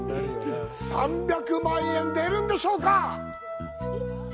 ３００万円出るんでしょうか。